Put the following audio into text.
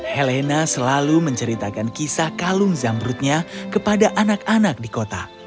helena selalu menceritakan kisah kalung zamrutnya kepada anak anak di kota